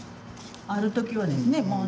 ある時はですね。